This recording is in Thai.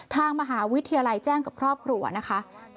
ทางมหาวิทยาลัยแจ้งกับครอบครัวนะคะ